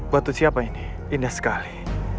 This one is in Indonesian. batu siapa ini indah sekali